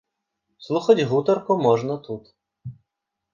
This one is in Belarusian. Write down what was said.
Слухаць гутарку можна тут.